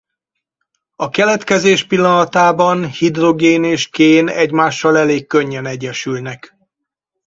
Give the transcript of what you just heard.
A keletkezés pillanatában hidrogén és kén egymással elég könnyen egyesülnek.